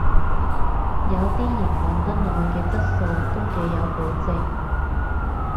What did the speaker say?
有啲營運得耐嘅質素都幾有保證